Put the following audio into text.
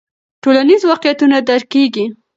ټولنیز واقعیتونه درک کیږي.